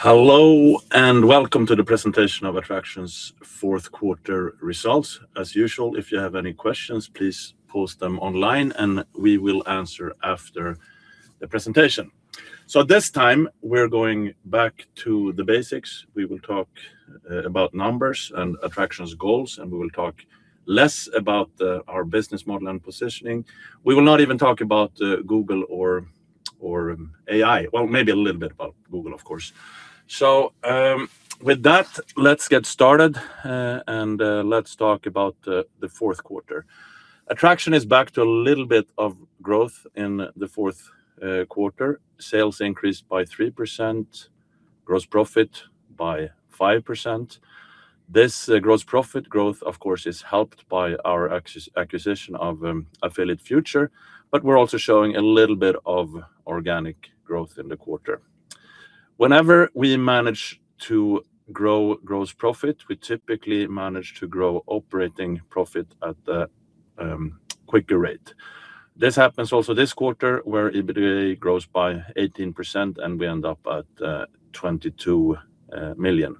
Hello, and welcome to the presentation of Adtraction's fourth quarter results. As usual, if you have any questions, please post them online, and we will answer after the presentation. So this time, we're going back to the basics. We will talk about numbers and Adtraction's goals, and we will talk less about our business model and positioning. We will not even talk about Google or AI. Well, maybe a little bit about Google, of course. So, with that, let's get started, and let's talk about the fourth quarter. Adtraction is back to a little bit of growth in the fourth quarter. Sales increased by 3%, gross profit by 5%. This gross profit growth, of course, is helped by our acquisition of Affiliate Future, but we're also showing a little bit of organic growth in the quarter. Whenever we manage to grow gross profit, we typically manage to grow operating profit at a quicker rate. This happens also this quarter, where EBITA grows by 18%, and we end up at 22 million.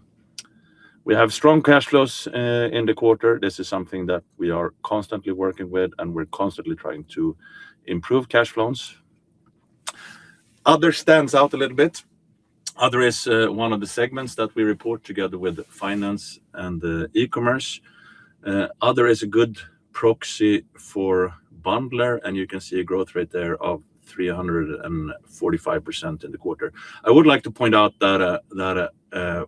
We have strong cash flows in the quarter. This is something that we are constantly working with, and we're constantly trying to improve cash flows. Other stands out a little bit. Other is one of the segments that we report together with finance and e-commerce. Other is a good proxy for Bundler, and you can see a growth rate there of 345% in the quarter. I would like to point out that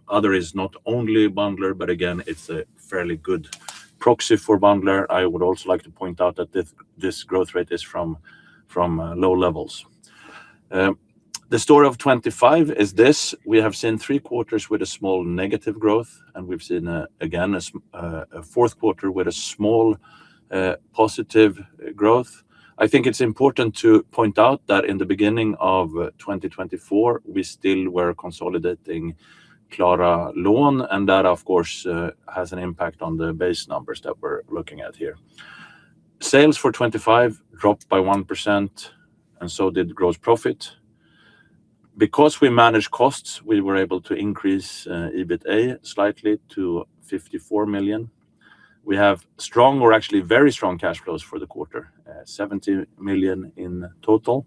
Other is not only Bundler, but again, it's a fairly good proxy for Bundler. I would also like to point out that this growth rate is from low levels. The story of 2025 is this: we have seen three quarters with a small negative growth, and we've seen again a fourth quarter with a small positive growth. I think it's important to point out that in the beginning of 2024, we still were consolidating Klara Lån, and that, of course, has an impact on the base numbers that we're looking at here. Sales for 2025 dropped by 1%, and so did gross profit. Because we managed costs, we were able to increase EBITA slightly to 54 million. We have strong or actually very strong cash flows for the quarter, 70 million in total.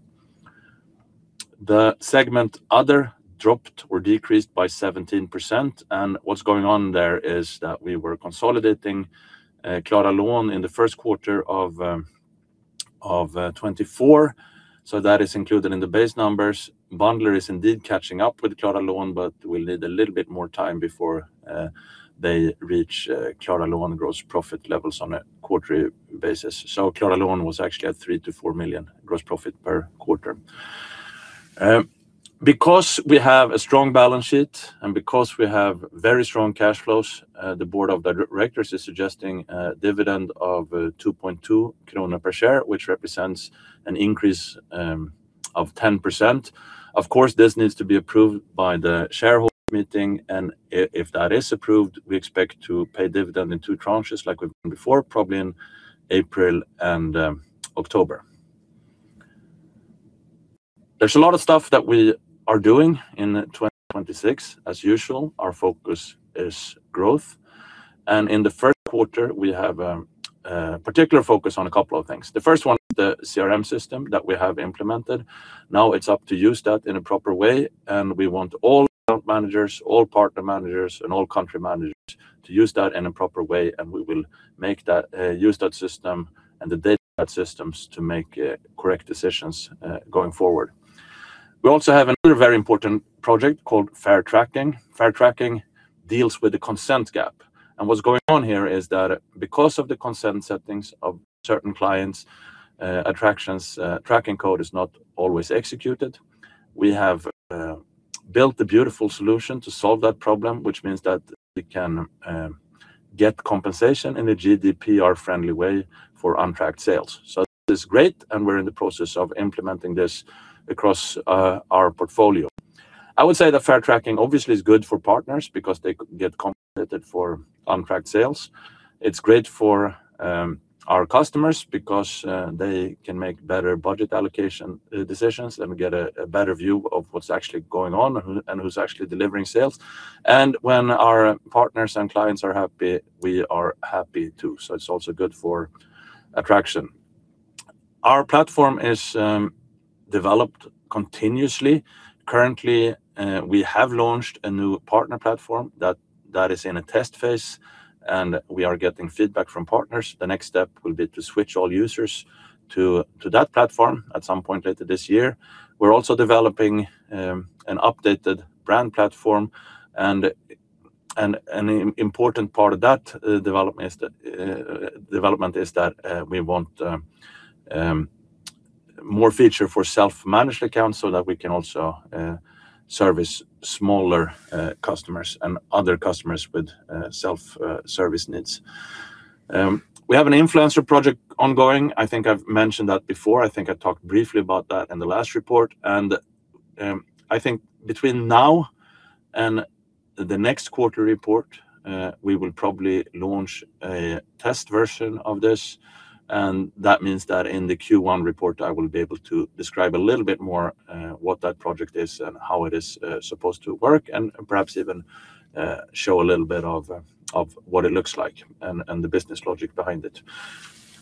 The segment, Other, dropped or decreased by 17%, and what's going on there is that we were consolidating Klara Lån in the first quarter of 2024, so that is included in the base numbers. Bundler is indeed catching up with Klara Lån, but we'll need a little bit more time before they reach Klara Lån gross profit levels on a quarterly basis. Klara Lån was actually at 3 million-4 million gross profit per quarter. Because we have a strong balance sheet and because we have very strong cash flows, the board of directors is suggesting a dividend of 2.2 krona per share, which represents an increase of 10%. Of course, this needs to be approved by the shareholder meeting, and if that is approved, we expect to pay dividend in two tranches like we've done before, probably in April and October. There's a lot of stuff that we are doing in 2026. As usual, our focus is growth, and in the first quarter, we have a particular focus on a couple of things. The first one, the CRM system that we have implemented. Now, it's up to use that in a proper way, and we want all account managers, all partner managers, and all country managers to use that in a proper way, and we will make that use that system and the data systems to make correct decisions going forward. We also have another very important project called Fair tracking. Fair tracking deals with the consent gap, and what's going on here is that because of the consent settings of certain clients, Adtraction's tracking code is not always executed. We have built a beautiful solution to solve that problem, which means that we can get compensation in a GDPR-friendly way for untracked sales. So this is great, and we're in the process of implementing this across our portfolio. I would say the Fair tracking obviously is good for partners because they get compensated for untracked sales. It's great for our customers because they can make better budget allocation decisions and get a better view of what's actually going on and who's actually delivering sales. And when our partners and clients are happy, we are happy too, so it's also good for Adtraction. Our platform is developed continuously. Currently, we have launched a new partner platform that is in a test phase, and we are getting feedback from partners. The next step will be to switch all users to that platform at some point later this year. We're also developing an updated brand platform, and an important part of that development is that we want more feature for self-managed accounts so that we can also service smaller customers and other customers with self service needs. We have an influencer project ongoing. I think I've mentioned that before. I think I talked briefly about that in the last report. I think between now and the next quarter report, we will probably launch a test version of this, and that means that in the Q1 report, I will be able to describe a little bit more, what that project is and how it is supposed to work, and perhaps even show a little bit of what it looks like and the business logic behind it.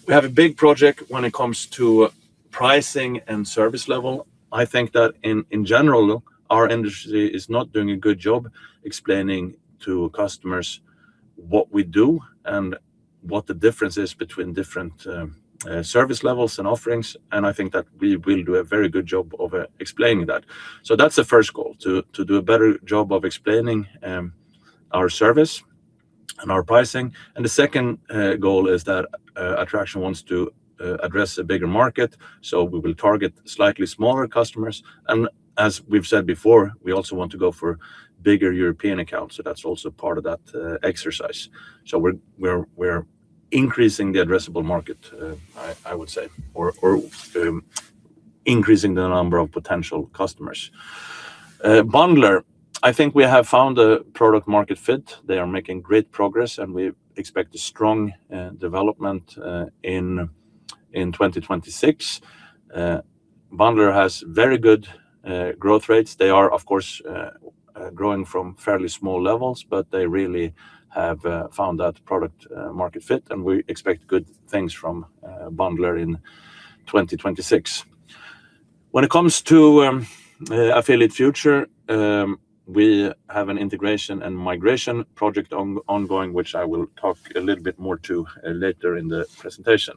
We have a big project when it comes to pricing and service level. I think that in general, our industry is not doing a good job explaining to customers what we do and what the difference is between different service levels and offerings, and I think that we will do a very good job of explaining that. So that's the first goal, to do a better job of explaining our service and our pricing. The second goal is that Adtraction wants to address a bigger market, so we will target slightly smaller customers. As we've said before, we also want to go for bigger European accounts, so that's also part of that exercise. So we're increasing the addressable market, I would say, or increasing the number of potential customers. Bundler, I think we have found a product-market fit. They are making great progress, and we expect a strong development in 2026. Bundler has very good growth rates. They are, of course, growing from fairly small levels, but they really have found that product-market fit, and we expect good things from Bundler in 2026. When it comes to Affiliate Future, we have an integration and migration project ongoing, which I will talk a little bit more to later in the presentation.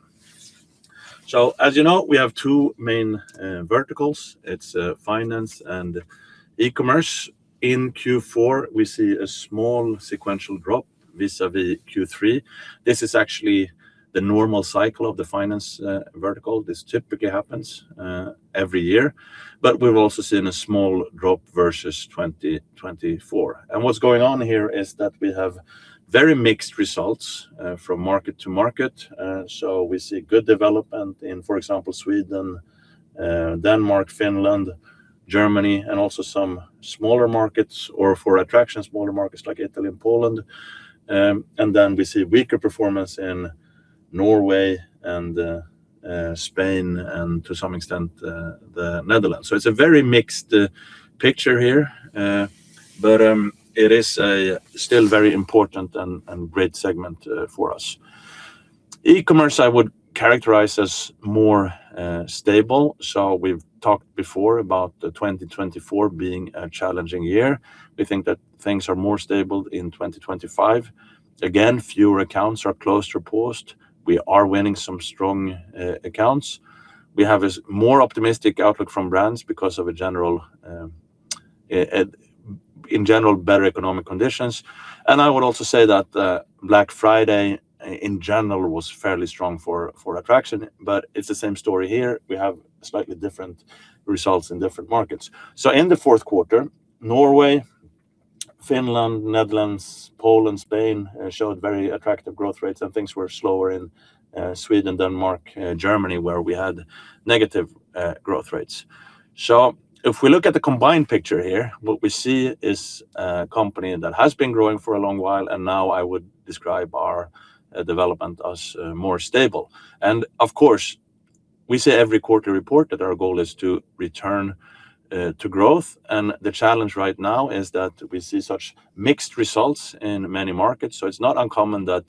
So as you know, we have two main verticals. It's finance and e-commerce. In Q4, we see a small sequential drop vis-à-vis Q3. This is actually the normal cycle of the finance vertical. This typically happens every year, but we've also seen a small drop versus 2024. And what's going on here is that we have very mixed results from market to market. So we see good development in, for example, Sweden, Denmark, Finland, Germany, and also some smaller markets or for Adtraction, smaller markets like Italy and Poland. And then we see weaker performance in Norway and Spain, and to some extent the Netherlands. So it's a very mixed picture here, but it is still very important and great segment for us. E-commerce, I would characterize as more stable. So we've talked before about the 2024 being a challenging year. We think that things are more stable in 2025. Again, fewer accounts are closed or paused. We are winning some strong accounts. We have a more optimistic outlook from brands because of in general, better economic conditions. And I would also say that Black Friday in general was fairly strong for Adtraction, but it's the same story here. We have slightly different results in different markets. So in the fourth quarter, Norway, Finland, Netherlands, Poland, Spain, showed very attractive growth rates, and things were slower in Sweden, Denmark, Germany, where we had negative growth rates. So if we look at the combined picture here, what we see is a company that has been growing for a long while, and now I would describe our development as more stable. Of course, we say every quarter report that our goal is to return to growth, and the challenge right now is that we see such mixed results in many markets. So it's not uncommon that,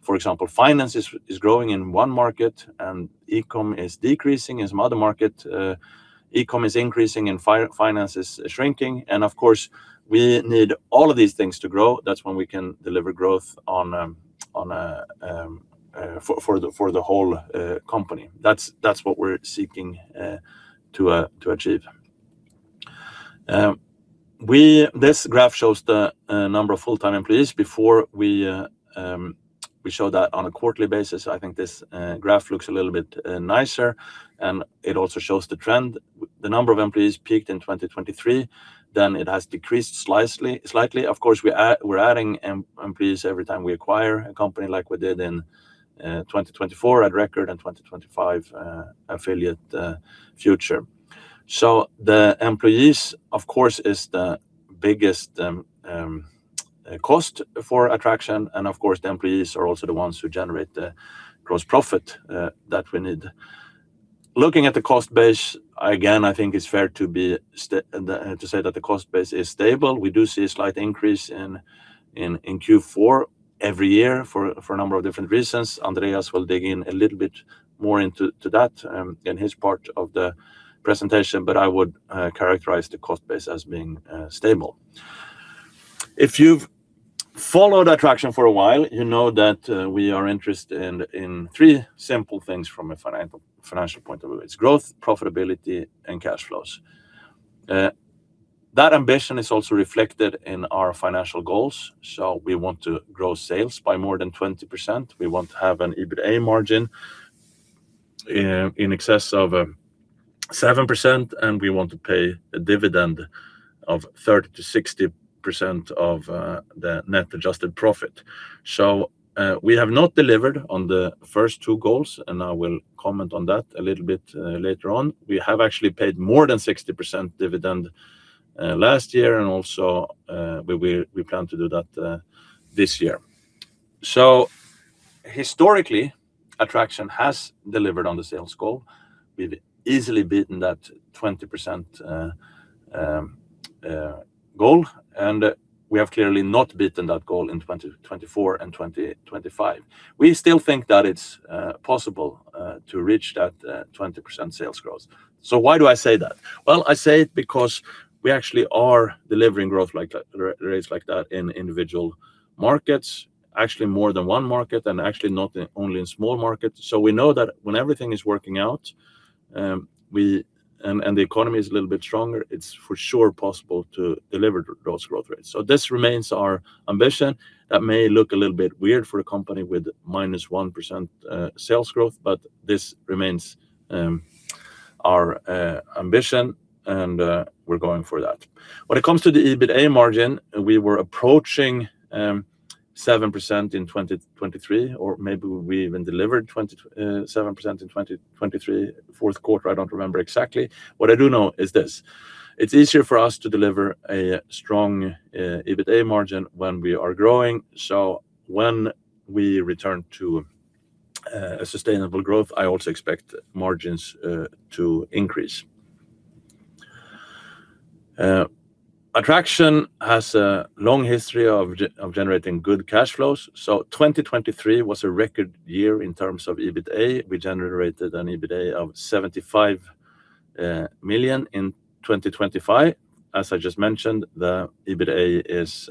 for example, finance is growing in one market and e-com is decreasing in some other market. E-com is increasing and finance is shrinking. Of course, we need all of these things to grow. That's when we can deliver growth for the whole company. That's what we're seeking to achieve. This graph shows the number of full-time employees. Before we show that on a quarterly basis, I think this graph looks a little bit nicer, and it also shows the trend. The number of employees peaked in 2023, then it has decreased slightly. Of course, we're adding employees every time we acquire a company like we did in 2024 at Adrecord and 2025 Affiliate Future. So the employees, of course, is the biggest cost for Adtraction, and of course, the employees are also the ones who generate the gross profit that we need. Looking at the cost base, again, I think it's fair to say that the cost base is stable. We do see a slight increase in Q4 every year for a number of different reasons. Andreas will dig in a little bit more into that in his part of the presentation, but I would characterize the cost base as being stable. If you've followed Adtraction for a while, you know that we are interested in three simple things from a financial point of view. It's growth, profitability, and cash flows. That ambition is also reflected in our financial goals. We want to grow sales by more than 20%. We want to have an EBITA margin in excess of 7%, and we want to pay a dividend of 30%-60% of the net adjusted profit. We have not delivered on the first two goals, and I will comment on that a little bit later on. We have actually paid more than 60% dividend last year, and also we plan to do that this year. So historically, Adtraction has delivered on the sales goal. We've easily beaten that 20% goal, and we have clearly not beaten that goal in 2024 and 2025. We still think that it's possible to reach that 20% sales growth. So why do I say that? Well, I say it because we actually are delivering growth like that rates like that in individual markets, actually more than one market, and actually not only in small markets. So we know that when everything is working out and the economy is a little bit stronger, it's for sure possible to deliver those growth rates. So this remains our ambition. That may look a little bit weird for a company with -1% sales growth, but this remains our ambition, and we're going for that. When it comes to the EBITA margin, we were approaching 7% in 2023, or maybe we even delivered 27% in 2023 fourth quarter. I don't remember exactly. What I do know is this: It's easier for us to deliver a strong EBITA margin when we are growing. So when we return to a sustainable growth, I also expect margins to increase. Adtraction has a long history of generating good cash flows, so 2023 was a record year in terms of EBITA. We generated an EBITA of 75 million. In 2025, as I just mentioned, the EBITA is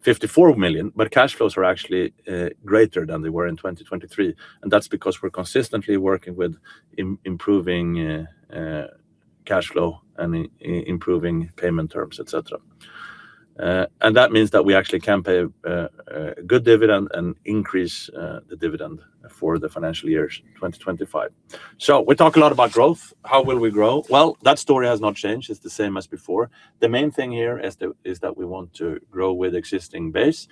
54 million, but cash flows are actually greater than they were in 2023, and that's because we're consistently working with improving cash flow and improving payment terms, et cetera. And that means that we actually can pay a good dividend and increase the dividend for the financial year 2025. So we talk a lot about growth. How will we grow? Well, that story has not changed. It's the same as before. The main thing here is that we want to grow with existing base.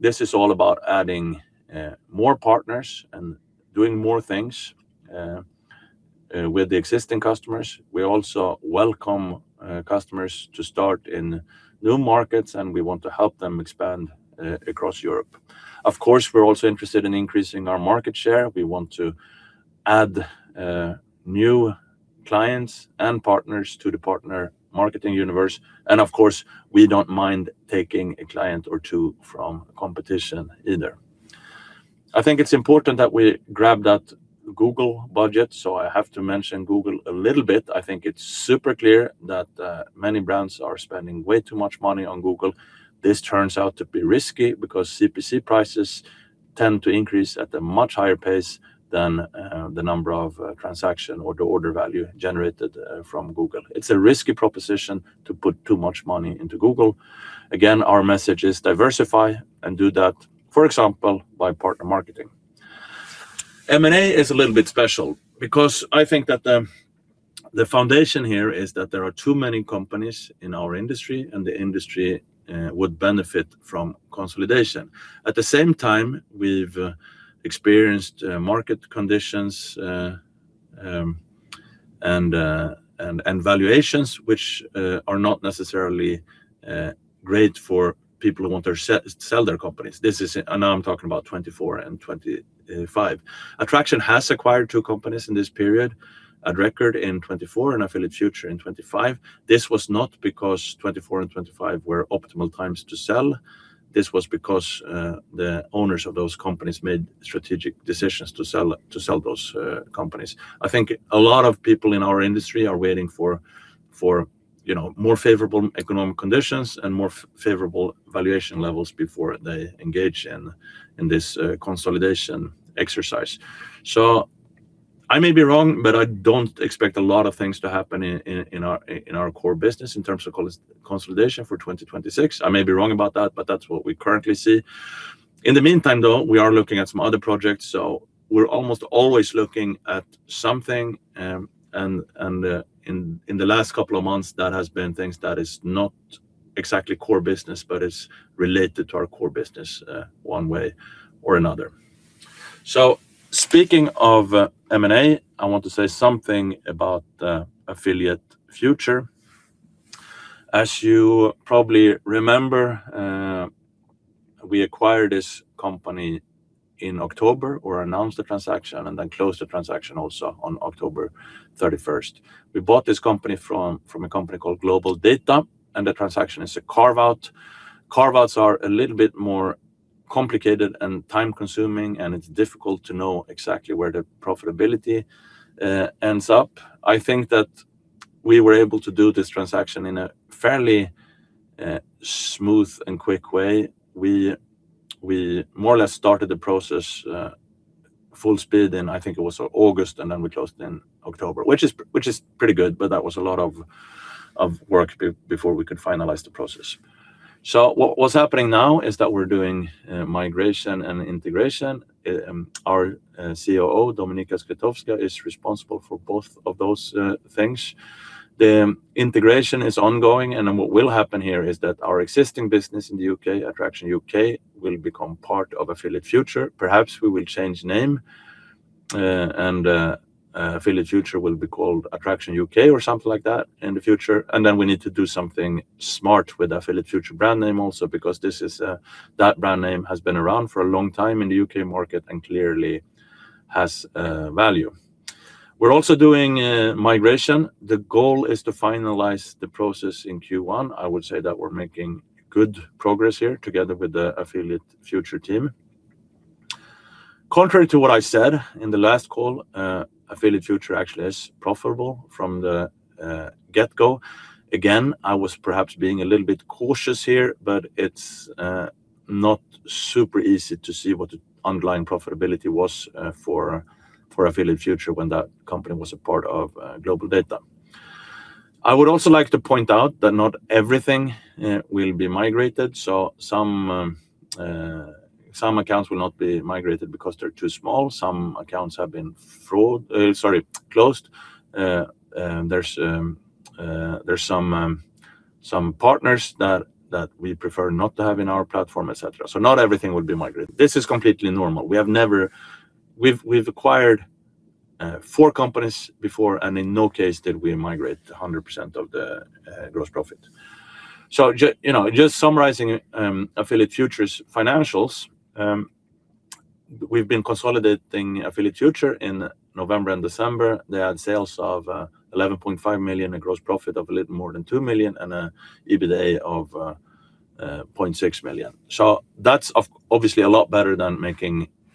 This is all about adding more partners and doing more things with the existing customers. We also welcome customers to start in new markets, and we want to help them expand across Europe. Of course, we're also interested in increasing our market share. We want to add new clients and partners to the partner marketing universe, and of course, we don't mind taking a client or two from competition either. I think it's important that we grab that Google budget, so I have to mention Google a little bit. I think it's super clear that many brands are spending way too much money on Google. This turns out to be risky because CPC prices tend to increase at a much higher pace than the number of transaction or the order value generated from Google. It's a risky proposition to put too much money into Google. Again, our message is diversify and do that, for example, by partner marketing. M&A is a little bit special because I think that the foundation here is that there are too many companies in our industry, and the industry would benefit from consolidation. At the same time, we've experienced market conditions and valuations, which are not necessarily great for people who want to sell their companies. Now I'm talking about 2024 and 2025. Adtraction has acquired two companies in this period, Adrecord in 2024 and Affiliate Future in 2025. This was not because 2024 and 2025 were optimal times to sell. This was because the owners of those companies made strategic decisions to sell those companies. I think a lot of people in our industry are waiting for, for you know, more favorable economic conditions and more favorable valuation levels before they engage in, in this consolidation exercise. So I may be wrong, but I don't expect a lot of things to happen in, in our core business in terms of consolidation for 2026. I may be wrong about that, but that's what we currently see. In the meantime, though, we are looking at some other projects, so we're almost always looking at something. And in the last couple of months, that has been things that is not exactly core business, but it's related to our core business one way or another. So speaking of M&A, I want to say something about Affiliate Future. As you probably remember, we acquired this company in October, or announced the transaction and then closed the transaction also on October 31st. We bought this company from a company called GlobalData, and the transaction is a carve-out. Carve-outs are a little bit more complicated and time-consuming, and it's difficult to know exactly where the profitability ends up. I think that we were able to do this transaction in a fairly smooth and quick way. We more or less started the process full speed in, I think it was August, and then we closed in October, which is pretty good, but that was a lot of work before we could finalize the process. So what's happening now is that we're doing migration and integration. And our COO, Dominika Skretowska, is responsible for both of those things. The integration is ongoing, and then what will happen here is that our existing business in the U.K., Adtraction UK, will become part of Affiliate Future. Perhaps we will change name, and, Affiliate Future will be called Adtraction UK or something like that in the future. And then we need to do something smart with Affiliate Future brand name also, because this is, that brand name has been around for a long time in the U.K. market, and clearly has value. We're also doing migration. The goal is to finalize the process in Q1. I would say that we're making good progress here together with the Affiliate Future team. Contrary to what I said in the last call, Affiliate Future actually is profitable from the get-go. Again, I was perhaps being a little bit cautious here, but it's not super easy to see what the underlying profitability was for Affiliate Future when that company was a part of GlobalData. I would also like to point out that not everything will be migrated. So some accounts will not be migrated because they're too small. Some accounts have been closed. And there's some partners that we prefer not to have in our platform, et cetera. So not everything will be migrated. This is completely normal. We've acquired four companies before, and in no case did we migrate 100% of the gross profit. So you know, just summarizing, Affiliate Future's financials, we've been consolidating Affiliate Future in November and December. They had sales of 11.5 million, a gross profit of a little more than 2 million, and a EBITA of 0.6 million. So that's obviously a lot better than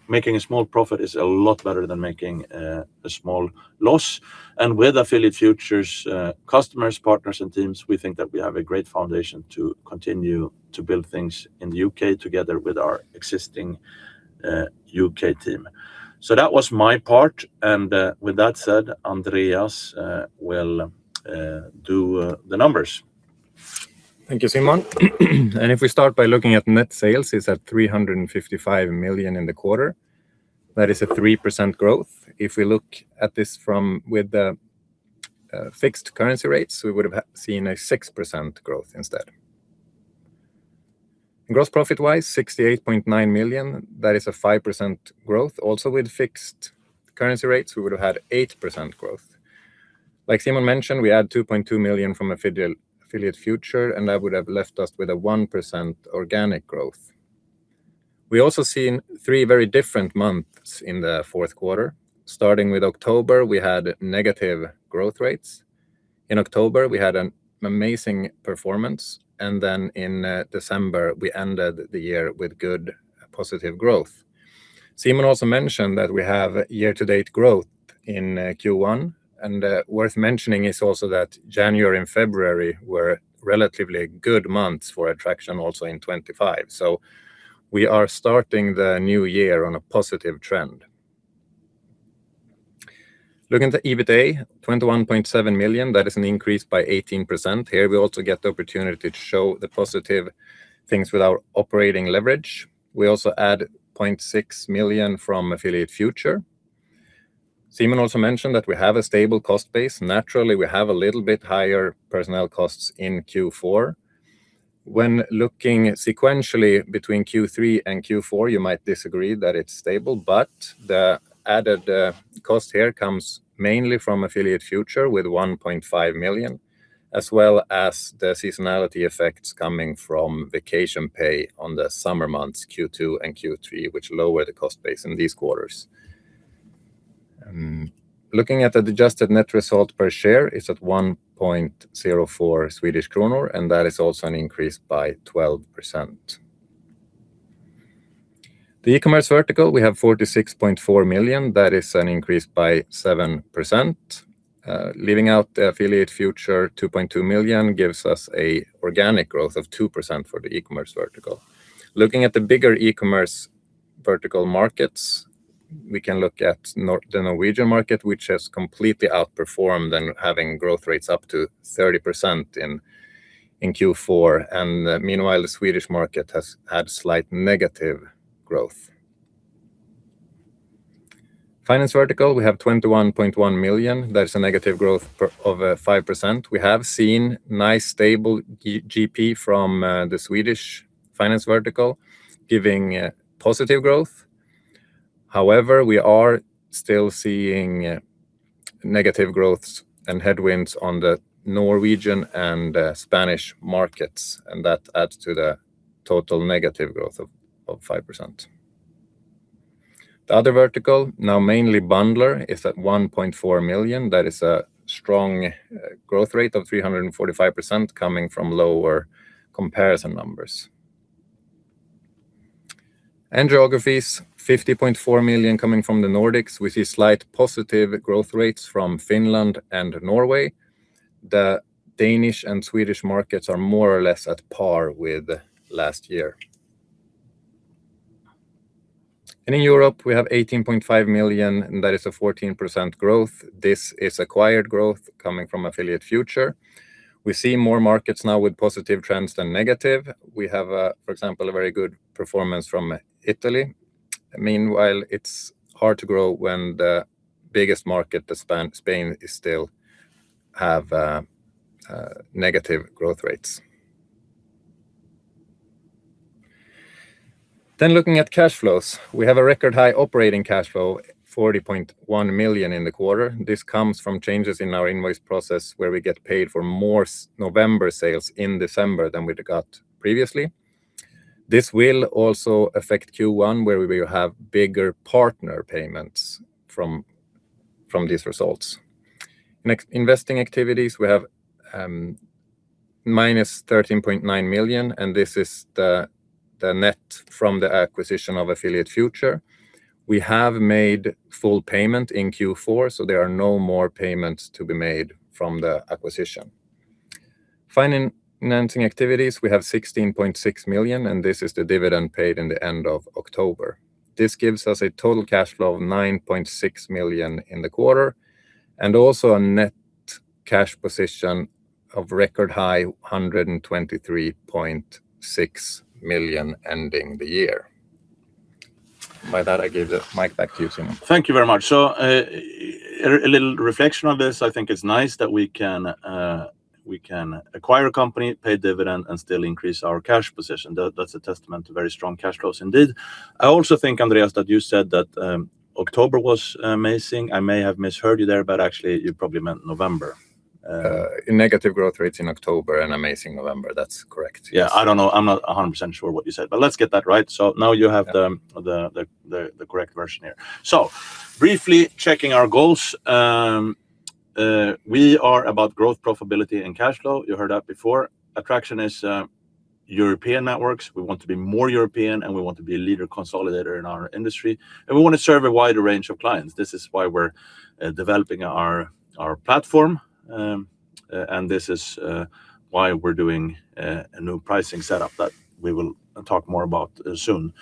making a small profit is a lot better than making a small loss. And with Affiliate Future's customers, partners, and teams, we think that we have a great foundation to continue to build things in the U.K. together with our existing U.K. team. So that was my part, and with that said, Andreas will do the numbers. Thank you, Simon. If we start by looking at net sales, it's at 355 million in the quarter. That is a 3% growth. If we look at this from with the fixed currency rates, we would have seen a 6% growth instead. Gross profit-wise, 68.9 million, that is a 5% growth. Also, with fixed currency rates, we would have had 8% growth. Like Simon mentioned, we had 2.2 million from Affiliate Future, and that would have left us with a 1% organic growth. We also seen three very different months in the fourth quarter. Starting with October, we had negative growth rates. In October, we had an amazing performance, and then in December, we ended the year with good positive growth. Simon also mentioned that we have year-to-date growth in Q1, and worth mentioning is also that January and February were relatively good months for Adtraction also in 2025. So we are starting the new year on a positive trend. Looking at the EBITA, 21.7 million, that is an increase by 18%. Here, we also get the opportunity to show the positive things with our operating leverage. We also add 0.6 million from Affiliate Future. Simon also mentioned that we have a stable cost base. Naturally, we have a little bit higher personnel costs in Q4. When looking sequentially between Q3 and Q4, you might disagree that it's stable, but the added cost here comes mainly from Affiliate Future with 1.5 million, as well as the seasonality effects coming from vacation pay on the summer months, Q2 and Q3, which lower the cost base in these quarters. Looking at the adjusted net result per share is at 1.04 Swedish kronor, and that is also an increase by 12%. The e-commerce vertical, we have 46.4 million, that is an increase by 7%. Leaving out the Affiliate Future, 2.2 million gives us an organic growth of 2% for the e-commerce vertical. Looking at the bigger e-commerce vertical markets, we can look at the Norwegian market, which has completely outperformed and having growth rates up to 30% in Q4. Meanwhile, the Swedish market has had slight negative growth. Finance vertical, we have 21.1 million. That's a negative growth of 5%. We have seen nice, stable GP from the Swedish finance vertical, giving positive growth. However, we are still seeing negative growths and headwinds on the Norwegian and Spanish markets, and that adds to the total negative growth of 5%. The other vertical, now mainly Bundler, is at 1.4 million. That is a strong growth rate of 345% coming from lower comparison numbers. And geographies, 50.4 million coming from the Nordics, we see slight positive growth rates from Finland and Norway. The Danish and Swedish markets are more or less at par with last year. In Europe, we have 18.5 million, and that is a 14% growth. This is acquired growth coming from Affiliate Future. We see more markets now with positive trends than negative. We have, for example, a very good performance from Italy. Meanwhile, it's hard to grow when the biggest market, the Spain, is still have negative growth rates. Looking at cash flows, we have a record high operating cash flow, 40.1 million in the quarter. This comes from changes in our invoice process, where we get paid for more November sales in December than we'd got previously. This will also affect Q1, where we will have bigger partner payments from these results. Next, investing activities, we have -13.9 million. This is the net from the acquisition of Affiliate Future. We have made full payment in Q4, so there are no more payments to be made from the acquisition. Financing activities, we have 16.6 million, and this is the dividend paid in the end of October. This gives us a total cash flow of 9.6 million in the quarter, and also a net cash position of record high, 123.6 million ending the year. By that, I give the mic back to you, Simon. Thank you very much. So, a little reflection on this, I think it's nice that we can, we can acquire a company, pay dividend, and still increase our cash position. That, that's a testament to very strong cash flows indeed. I also think, Andreas, that you said that, October was amazing. I may have misheard you there, but actually, you probably meant November. Negative growth rates in October and amazing November. That's correct, yes. Yeah, I don't know. I'm not 100% sure what you said, but let's get that right. So now you have the correct version here. So briefly checking our goals. We are about growth, profitability, and cash flow. You heard that before. Adtraction is European networks. We want to be more European, and we want to be a leader consolidator in our industry, and we want to serve a wider range of clients. This is why we're developing our platform, and this is why we're doing a new pricing setup that we will talk more about soon.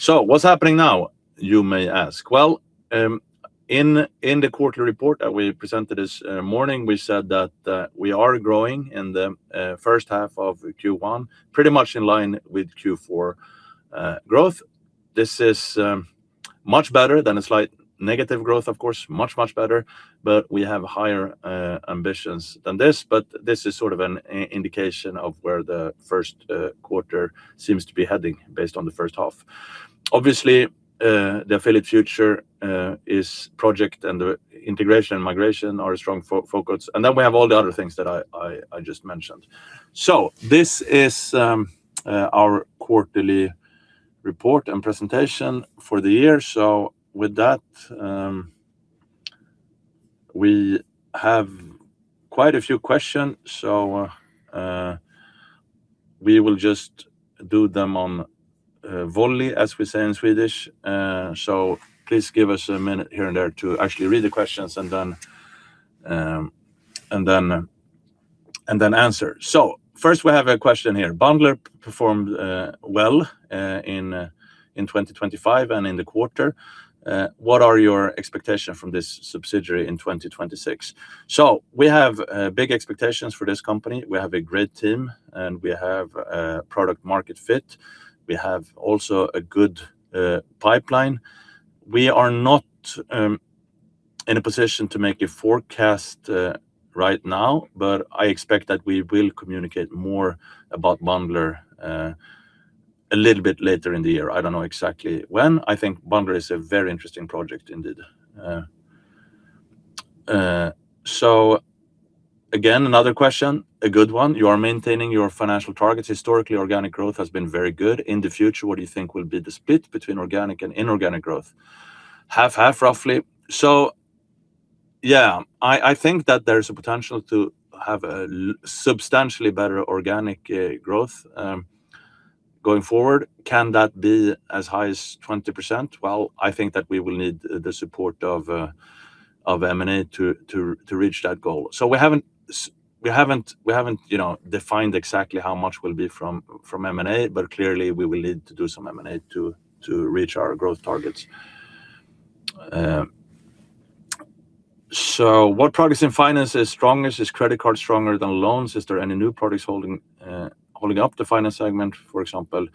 "So what's happening now?" You may ask. Well, in the quarterly report that we presented this morning, we said that we are growing in the first half of Q1, pretty much in line with Q4 growth. This is much better than a slight negative growth, of course, much, much better, but we have higher ambitions than this. But this is sort of an indication of where the first quarter seems to be heading, based on the first half. Obviously, the Affiliate Future is project, and the integration and migration are strong focus. And then we have all the other things that I just mentioned. So this is our quarterly report and presentation for the year. So with that, we have quite a few questions. So we will just do them on volley, as we say in Swedish. So please give us a minute here and there to actually read the questions and then answer. So first, we have a question here. Bundler performed well in 2025 and in the quarter. What are your expectation from this subsidiary in 2026? So we have big expectations for this company. We have a great team, and we have a product market fit. We have also a good pipeline. We are not in a position to make a forecast right now, but I expect that we will communicate more about Bundler a little bit later in the year. I don't know exactly when. I think Bundler is a very interesting project indeed. So again, another question, a good one. You are maintaining your financial targets. Historically, organic growth has been very good. In the future, what do you think will be the split between organic and inorganic growth? 50/50, roughly. So, yeah, I think that there is a potential to have substantially better organic growth going forward. Can that be as high as 20%? Well, I think that we will need the support of M&A to reach that goal. So we haven't, you know, defined exactly how much will be from M&A, but clearly, we will need to do some M&A to reach our growth targets. So what products in finance is strongest? Is credit card stronger than loans? Is there any new products holding up the finance segment, for example,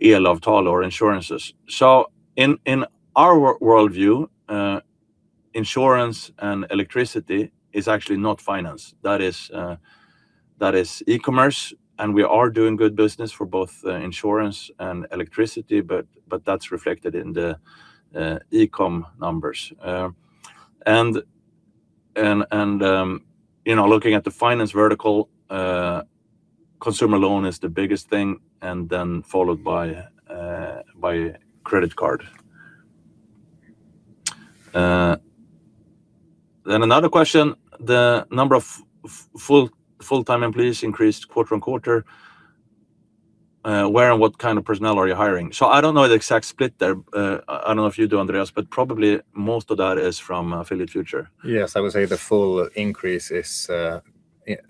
elavtal, or insurances? So in our worldview, insurance and electricity is actually not finance. That is e-commerce, and we are doing good business for both insurance and electricity, but that's reflected in the e-com numbers. You know, looking at the finance vertical, consumer loan is the biggest thing, and then followed by credit card. Then another question, the number of full-time employees increased quarter-on-quarter. Where and what kind of personnel are you hiring? So I don't know the exact split there. I don't know if you do, Andreas, but probably most of that is from Affiliate Future. Yes, I would say the full increase is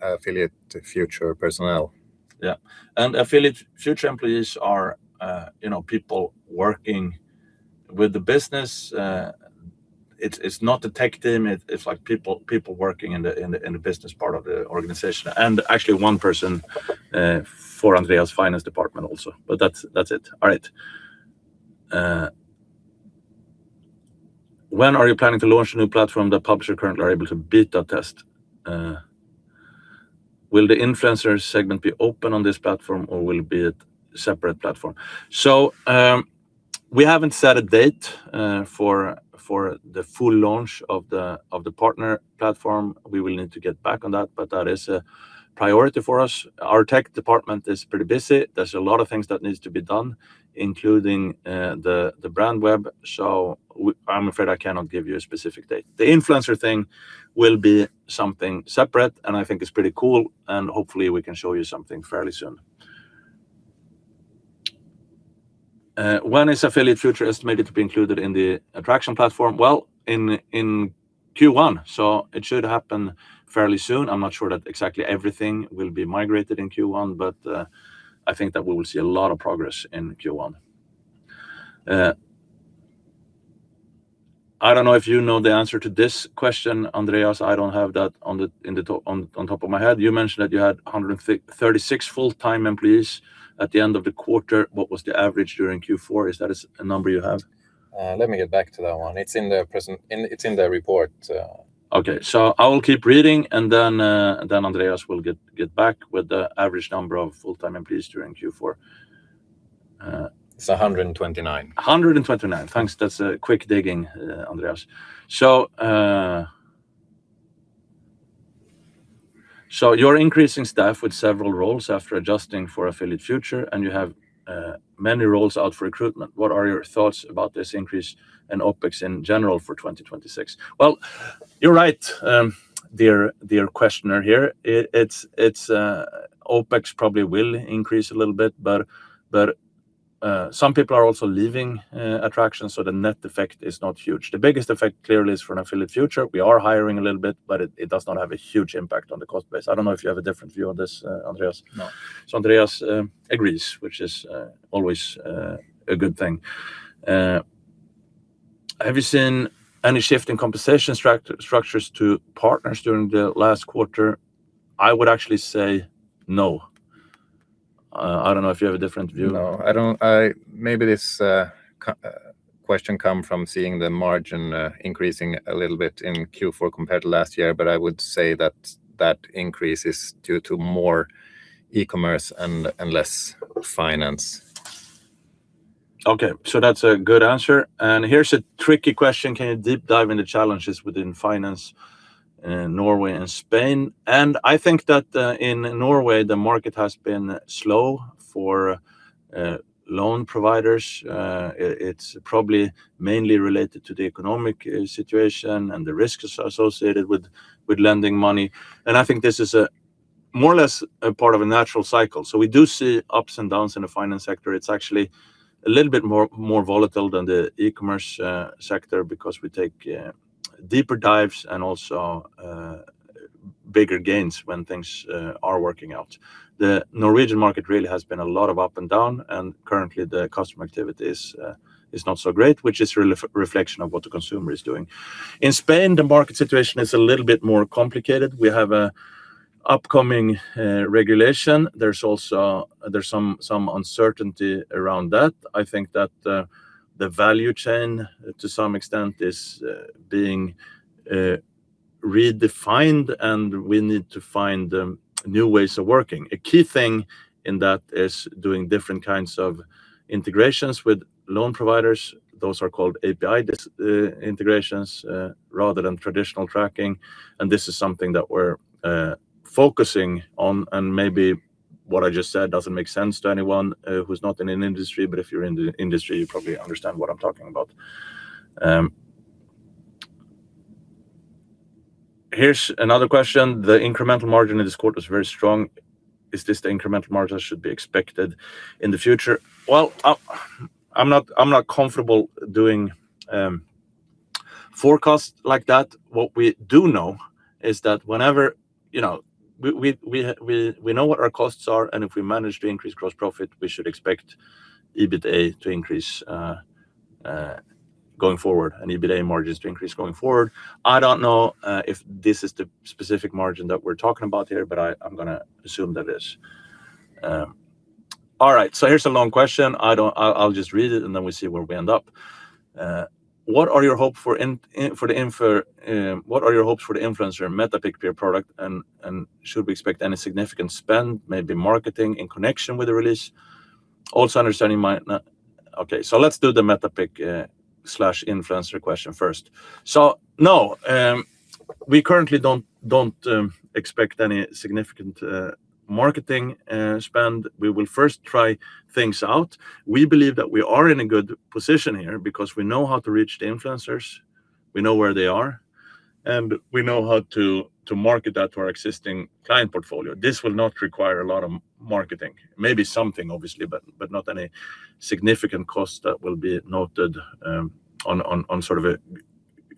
Affiliate Future personnel. Yeah, and Affiliate Future employees are, you know, people working with the business. It's not the tech team. It's like people working in the business part of the organization, and actually one person for Andreas' finance department also. But that's it. All right. When are you planning to launch a new platform that publisher currently are able to beta test? Will the influencer segment be open on this platform, or will it be a separate platform? So, we haven't set a date for the full launch of the partner platform. We will need to get back on that, but that is a priority for us. Our tech department is pretty busy. There's a lot of things that needs to be done, including the brand web, so I'm afraid I cannot give you a specific date. The influencer thing will be something separate, and I think it's pretty cool, and hopefully we can show you something fairly soon. When is Affiliate Future estimated to be included in the Adtraction platform? Well, in Q1, so it should happen fairly soon. I'm not sure that exactly everything will be migrated in Q1, but I think that we will see a lot of progress in Q1. I don't know if you know the answer to this question, Andreas. I don't have that on top of my head. You mentioned that you had 136 full-time employees at the end of the quarter. What was the average during Q4? Is that a number you have? Let me get back to that one. It's in the present, it's in the report. Okay, so I will keep reading, and then Andreas will get back with the average number of full-time employees during Q4. It's 129. 129. Thanks. That's a quick digging, Andreas. So, so you're increasing staff with several roles after adjusting for Affiliate Future, and you have, many roles out for recruitment. What are your thoughts about this increase and OpEx in general for 2026? Well, you're right, dear, dear questioner here. It, it's, it's, OpEx probably will increase a little bit, but, but, some people are also leaving, Adtraction, so the net effect is not huge. The biggest effect, clearly, is for an Affiliate Future. We are hiring a little bit, but it, it does not have a huge impact on the cost base. I don't know if you have a different view on this, Andreas? No. So Andreas agrees, which is always a good thing. Have you seen any shift in compensation structures to partners during the last quarter? I would actually say no. I don't know if you have a different view. No, I don't. Maybe this question come from seeing the margin increasing a little bit in Q4 compared to last year, but I would say that that increase is due to more e-commerce and less finance. Okay, so that's a good answer. And here's a tricky question: Can you deep dive into challenges within finance in Norway and Spain? And I think that in Norway, the market has been slow for loan providers. It's probably mainly related to the economic situation and the risks associated with lending money. And I think this is a more or less a part of a natural cycle. So we do see ups and downs in the finance sector. It's actually a little bit more volatile than the e-commerce sector because we take deeper dives and also bigger gains when things are working out. The Norwegian market really has been a lot of up and down, and currently the customer activity is not so great, which is reflection of what the consumer is doing. In Spain, the market situation is a little bit more complicated. We have an upcoming regulation. There's also some uncertainty around that. I think that the value chain, to some extent, is being redefined, and we need to find new ways of working. A key thing in that is doing different kinds of integrations with loan providers. Those are called API integrations rather than traditional tracking, and this is something that we're focusing on, and maybe what I just said doesn't make sense to anyone who's not in an industry, but if you're in the industry, you probably understand what I'm talking about. Here's another question: The incremental margin in this quarter is very strong. Is this the incremental margin that should be expected in the future? Well, I'm not comfortable doing forecasts like that. What we do know is that whenever, you know, we know what our costs are, and if we manage to increase gross profit, we should expect EBITA to increase going forward, and EBITA margins to increase going forward. I don't know if this is the specific margin that we're talking about here, but I'm gonna assume that it is. All right, so here's a long question. I'll just read it, and then we'll see where we end up. What are your hopes for the influencer Metapic peer product, and should we expect any significant spend, maybe marketing, in connection with the release? Also, understanding might not. Okay, so let's do the Metapic/influencer question first. So, no, we currently don't expect any significant marketing spend. We will first try things out. We believe that we are in a good position here because we know how to reach the influencers, we know where they are, and we know how to market that to our existing client portfolio. This will not require a lot of marketing. Maybe something, obviously, but not any significant cost that will be noted on sort of a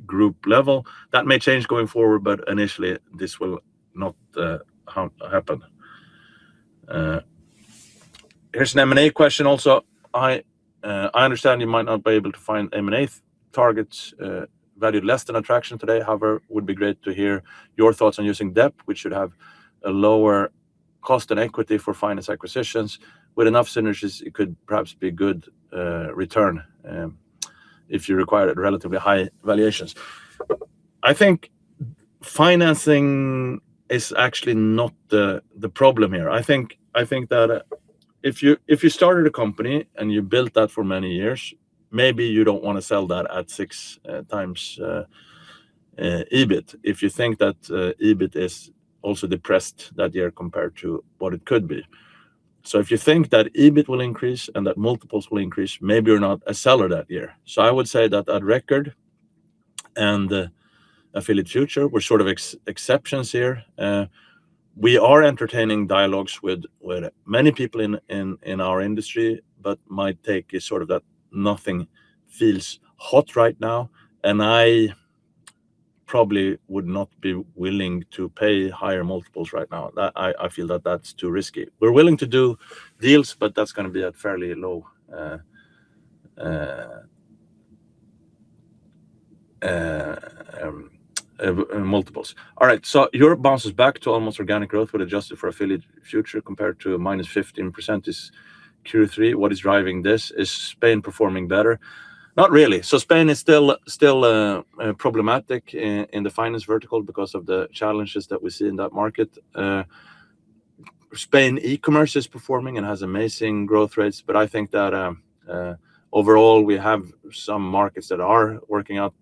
group level. That may change going forward, but initially, this will not happen. Here's an M&A question also. I understand you might not be able to find M&A targets valued less than Adtraction today. However, would be great to hear your thoughts on using debt, which should have a lower cost and equity for finance acquisitions. With enough synergies, it could perhaps be a good return, if you require at relatively high valuations. I think financing is actually not the problem here. I think that if you started a company, and you built that for many years, maybe you don't wanna sell that at 6x EBIT. If you think that EBIT is also depressed that year compared to what it could be. So if you think that EBIT will increase and that multiples will increase, maybe you're not a seller that year. So I would say that Adrecord and Affiliate Future were sort of exceptions here. We are entertaining dialogues with many people in our industry, but my take is sort of that nothing feels hot right now, and I probably would not be willing to pay higher multiples right now. That I feel that that's too risky. We're willing to do deals, but that's gonna be at fairly low multiples. All right. "So Europe bounces back to almost organic growth when adjusted for Affiliate Future, compared to -15% this Q3. What is driving this? Is Spain performing better?" Not really. So Spain is still problematic in the finance vertical because of the challenges that we see in that market. Spain e-commerce is performing and has amazing growth rates, but I think that overall, we have some markets that are working out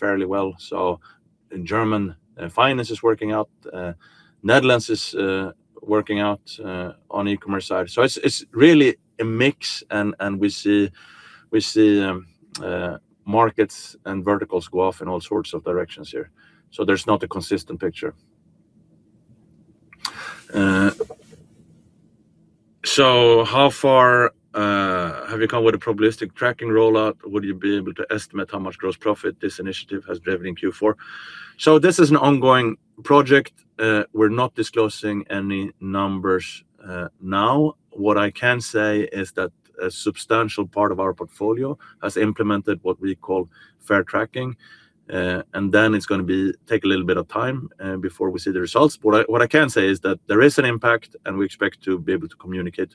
fairly well. So in Germany, finance is working out, Netherlands is working out, on e-commerce side. So it's really a mix, and we see markets and verticals go off in all sorts of directions here. So there's not a consistent picture. So "how far have you come with a probabilistic tracking rollout? Would you be able to estimate how much gross profit this initiative has driven in Q4?" So this is an ongoing project. We're not disclosing any numbers now. What I can say is that a substantial part of our portfolio has implemented what we call Fair tracking. And then it's gonna take a little bit of time before we see the results. But what I can say is that there is an impact, and we expect to be able to communicate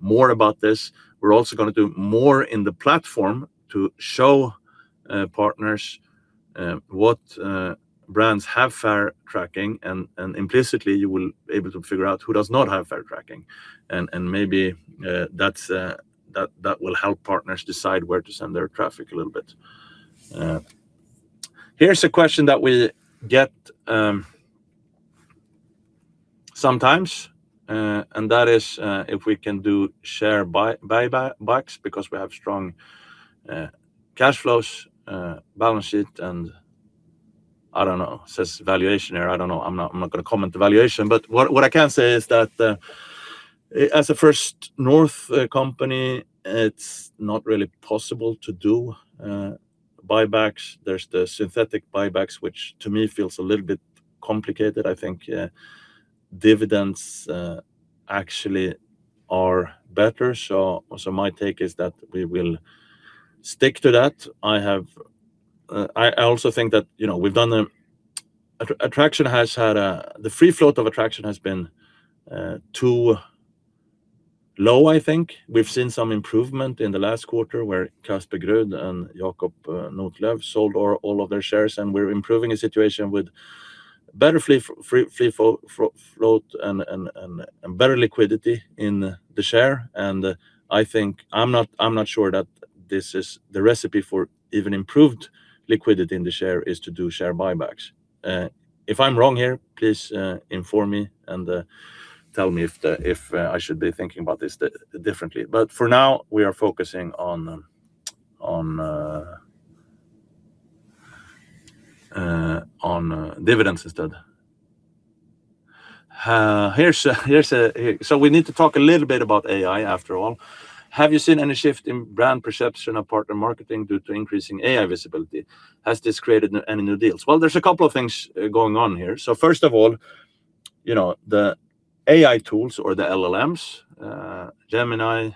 more about this. We're also gonna do more in the platform to show partners what brands have Fair tracking, and implicitly, you will be able to figure out who does not have Fair tracking. And maybe that will help partners decide where to send their traffic a little bit. Here's a question that we get sometimes, and that is, if we can do share buybacks because we have strong cash flows, balance sheet, and I don't know, says valuation here. I don't know. I'm not gonna comment the valuation, but what I can say is that, as a First North company, it's not really possible to do buybacks. There's the synthetic buybacks, which to me feels a little bit complicated. I think dividends actually are better. So my take is that we will stick to that. I also think that, you know, Adtraction has had the free float of Adtraction has been too low, I think. We've seen some improvement in the last quarter, where Casper Grud and Jacob Nordkliev sold all of their shares, and we're improving the situation with better free float and better liquidity in the share. And I think I'm not sure that this is the recipe for even improved liquidity in the share, is to do share buybacks. If I'm wrong here, please, inform me, and tell me if the, if I should be thinking about this differently. But for now, we are focusing on dividends instead. So we need to talk a little bit about AI, after all. "Have you seen any shift in brand perception of partner marketing due to increasing AI visibility? Has this created any new deals?" Well, there's a couple of things going on here. So first of all, you know, the AI tools or the LLMs, Gemini,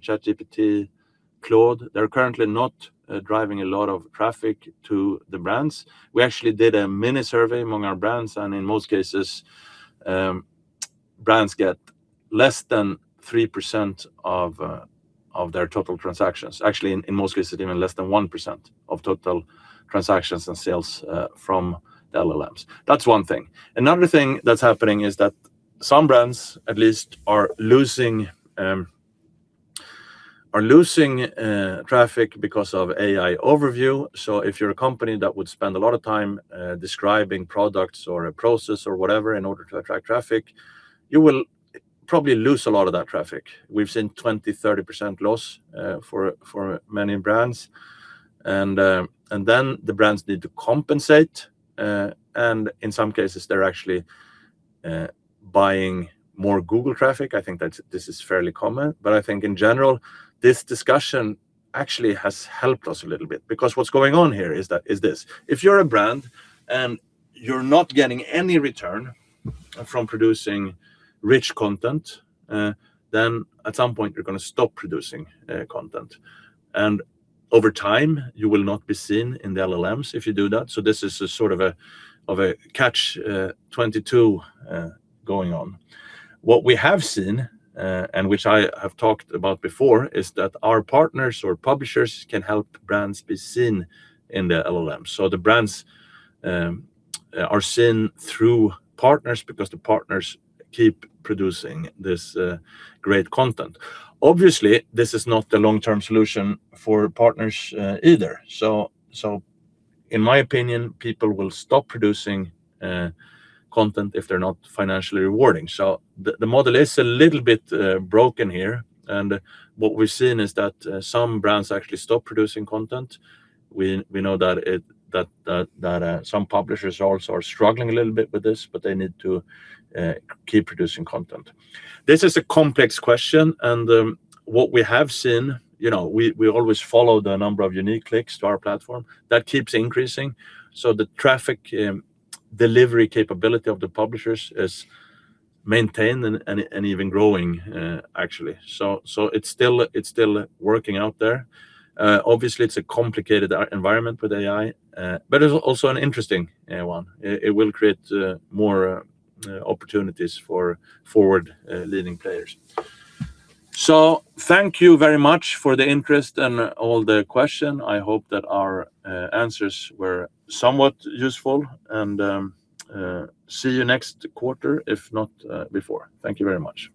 ChatGPT, Claude, they're currently not driving a lot of traffic to the brands. We actually did a mini survey among our brands, and in most cases, brands get less than 3% of their total transactions. Actually, in most cases, even less than 1% of total transactions and sales from the LLMs. That's one thing. Another thing that's happening is that some brands, at least, are losing traffic because of AI Overview. So if you're a company that would spend a lot of time describing products or a process or whatever, in order to attract traffic, you will probably lose a lot of that traffic. We've seen 20%-30% loss for many brands. And then the brands need to compensate, and in some cases, they're actually buying more Google traffic. I think that this is fairly common. But I think in general, this discussion actually has helped us a little bit, because what's going on here is that, is this: if you're a brand and you're not getting any return from producing rich content, then at some point you're going to stop producing content. And over time, you will not be seen in the LLMs if you do that. So this is a catch-22 going on. What we have seen, and which I have talked about before, is that our partners or publishers can help brands be seen in the LLM. So the brands are seen through partners because the partners keep producing this great content. Obviously, this is not the long-term solution for partners either. So in my opinion, people will stop producing content if they're not financially rewarding. So the model is a little bit broken here, and what we've seen is that some brands actually stop producing content. We know that some publishers also are struggling a little bit with this, but they need to keep producing content. This is a complex question, and what we have seen, you know, we always follow the number of unique clicks to our platform. That keeps increasing, so the traffic delivery capability of the publishers is maintained and even growing, actually. So it's still working out there. Obviously, it's a complicated environment with AI, but it's also an interesting one. It will create more opportunities for forward leading players. So thank you very much for the interest and all the question. I hope that our answers were somewhat useful, and see you next quarter, if not before. Thank you very much.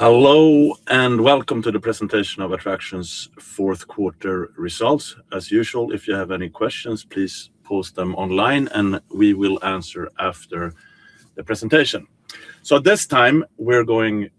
Hello, and welcome to the presentation of Adtraction's fourth quarter results. As usual, if you have any questions, please post them online, and we will answer after the presentation. So at this time, we're going